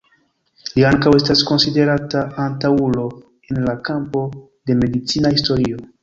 Li ankaŭ estas konsiderata antaŭulo en la kampo de medicina historio.